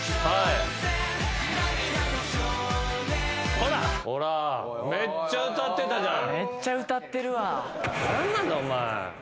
ほらめっちゃ歌ってたじゃん。